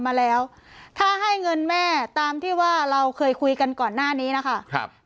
มาแล้วถ้าให้เงินแม่ตามที่ว่าเราเคยคุยกันก่อนหน้านี้นะคะครับ